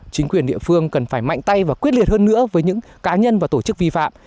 chính quyền địa phương cần phải mạnh tay và quyết liệt hơn nữa với những cá nhân và tổ chức vi phạm